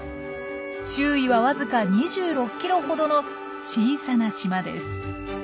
周囲はわずか２６キロほどの小さな島です。